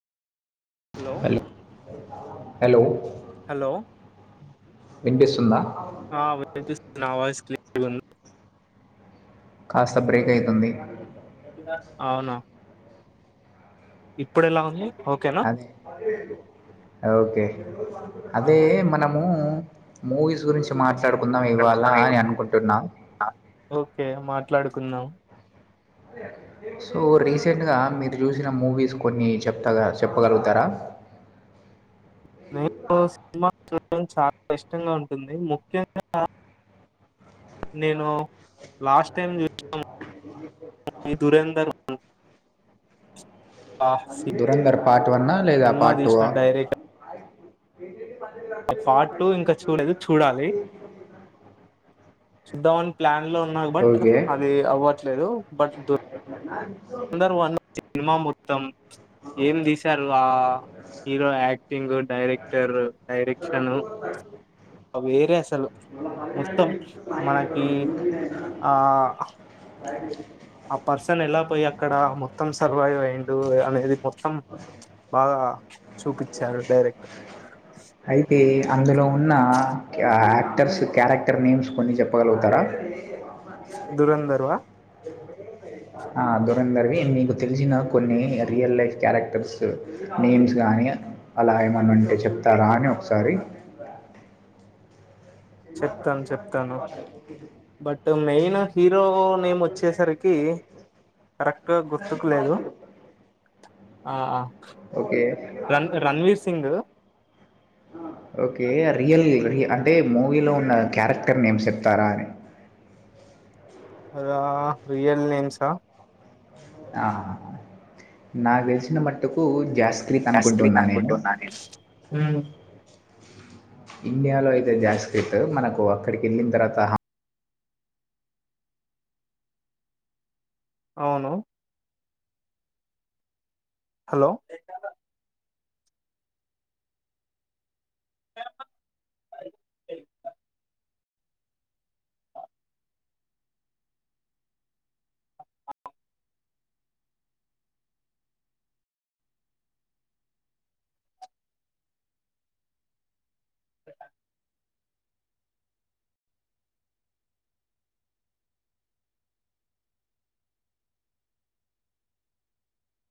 Hello. Hello hello వినిపిస్తుందా ఆ వినిపిస్తుందా నా వాయిస్ క్లియర్ గా ఉందా కాస్త బ్రేక్ అయితుంది అవునా ఇప్పుడు ఎలా ఉంది. ఓకేనా అది ఓకే. అదే ఆహా. మనము మూవీస్ గురించి మార్చ ట్లడుకుందాం ఇవ్వాలా అని అనుకుంటున్నాం ఓకే మాట్లాడుకుందాం సో రీసెంట్గా మీరు చూసిన మూవీస్ కొన్ని చెప్తగా చెప్పగలుగుతారా నాకు సినిమా చూడడం చాలా ఇష్టంగా ఉంటుంది ముఖ్యంగా నేను లాస్ట్ టైం చూసినము. ఈ దురందర్ వన్ దురంధర్ పార్ట్ వన్నా లేదా సినిమా పార్ట్ తీసిన టూవా డైరెక్ట్ ఏంటిది పనిలేవు అంటుంది. పార్ట్ టూ పైసలు ఇంకా లేవు నా చూడలేదు దగ్గర చూడాలి ఏంటిది చూద్దామని ప్లాన్ లో ఉన్నా బట్ ఓకే అది అవ్వట్లేదు బట్ దురంధర్ వన్ [unintelligible] సినిమా మొత్తం ఏం తీశారు ఆ హీరో యాక్ట్ క్టింగ్ డైరెక్టర్ డైరక్షన్ వేరే అసలు మొత్తం మనకి ఆ ఆ పర్సన్ ఎలా పోయి అక్కడ మొత్తం సర్వైవయి అయ్యిండు అనేది మొత్తం బాగా చూపించారు డైరెక్టర్ అయితే అందులో ఉన్న యాక్టర్స్ క్యారెక్టర్ నేమ్స్ కొన్ని చెప్పగలుగుతారా దురంధర్ వా ఆ దూరందర్వి నీకు తెలిసిన కొన్ని రియల్ లైఫ్ క్యారెక్టర్స్ నేమ్స్ గాని అలా ఏమన్నా ఉంటే చెప్తారా అని ఒకసారి చెప్తాను చెప్తాను [unintelligible] బట్ మెయిన్ హీరో నేమ్ వచ్చేసరికి కరెక్ట్గా గుర్తుకు లేదు ఆ ఓకే రన్ రణవీర్ సింగ్ ఓకే రియల్ రి అంటే మూవీలో ఉన్న క్యారెక్టర్ నేమ్స్ చెప్తారా అని అదా రియల్ నేమ్సా ఆ నాకు తెలిసిన మట్టుకు జాస్ అస్త్రి కంప్యూటర్ [unintelligible] హ్మ్మ్ ఇండియాలో అయితే జాస్క్రిత్ మనకు అక్కడికి వెళ్ళిన తర్వాత అవును హలో